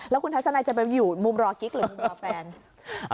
แล้วคุณทัศนัยจะไปอยู่มุมรอกิ๊กหรือมุมรอแฟน